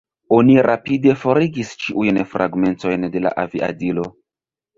Oni rapide forigis ĉiujn fragmentojn de la aviadilo.